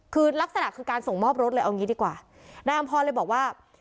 คือลักษณะคือการส่งมอบรถเลยเอางี้ดีกว่านายอำพรเลยบอกว่า